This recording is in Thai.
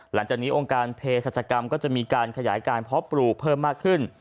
หลังจากนี้องค์การเพศรัชกรรมก็จะมีการขยายการเพาะปลูกเพิ่มมากขึ้น